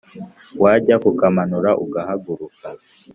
wajya kukamanura ugahaguruka